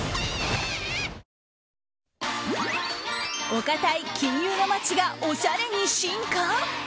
お堅い金融の街がおしゃれに進化？